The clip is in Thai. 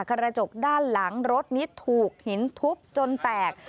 กระจกด้านหลังรถนี้ถูกหินทุบจนแตก